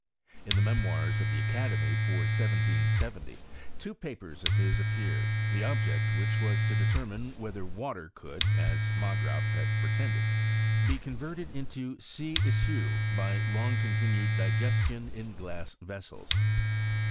In the Memoirs of the Academy, for 1770t two papers of his appeared, (he object of which was to determine whether water could, as Margraaf had pretended, be converted into siiica by long continued digesdou in glass vessels.